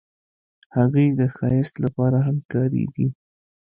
هګۍ د ښایست لپاره هم کارېږي.